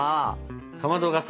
かまどがさ